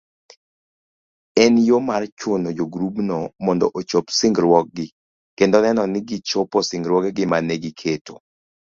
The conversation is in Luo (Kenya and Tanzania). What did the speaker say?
En yo mar chuno jogrubno mondo ochop singruokgi kendo neno ni gichopo singruogegi manegiketo